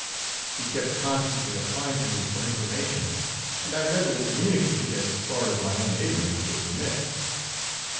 He kept constantly applying to me for in formation, and I readily communicated, as far as my own ignorance would permit.